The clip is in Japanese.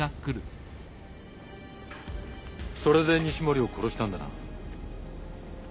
それで西森を殺したんだな？